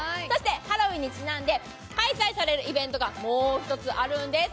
ハロウィーンにちなんで開催されるイベントがもう１つあるんです。